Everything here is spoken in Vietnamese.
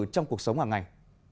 trong cuộc sống hàng ngành